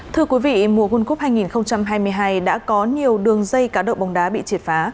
thưa quý vị mùa world cup hai nghìn hai mươi hai đã có nhiều đường dây cá độ bóng đá bị triệt phá